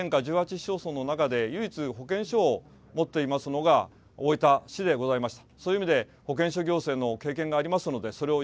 市町村の中で、唯一、保健所を持っていますのが、大分市でございました。